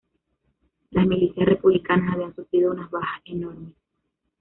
Las milicias republicanas habían sufrido unas bajas enormes.